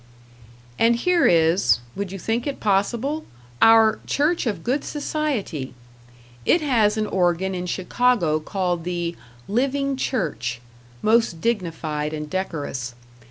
And here is would you think it possible? our "Church of Good Society"! It has an organ in Chicago called the "Living Church", most dignified and decorous.